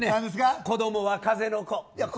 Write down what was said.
子供は風の子。